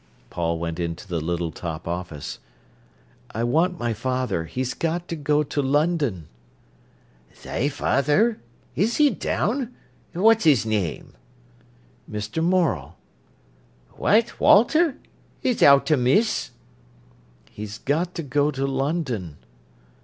Paul went into the little top office. "I want my father; he's got to go to London." "Thy feyther? Is he down? What's his name?" "Mr. Morel." "What, Walter? Is owt amiss?" "He's got to go to London."